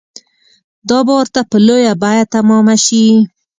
دا به ورته په لویه بیه تمامه شي.